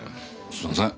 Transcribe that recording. すいません。